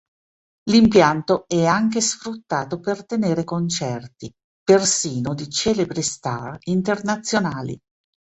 L'impianto è anche sfruttato per tenere concerti, persino di celebri star internazionali.